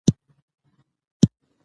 هغه به ژر تر ژره لاړ سي.